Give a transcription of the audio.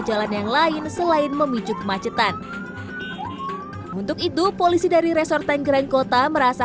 jalan yang lain selain memicu kemacetan untuk itu polisi dari resort tanggerang kota merasa